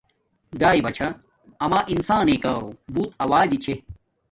گاݵے بچھا اما انسانݵ کارو بوت اݹجی چھے